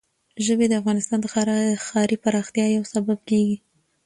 ژبې د افغانستان د ښاري پراختیا یو سبب کېږي.